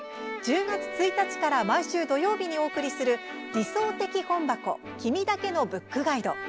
１０月１日から毎週土曜日にお送りする「理想的本箱君だけのブックガイド」。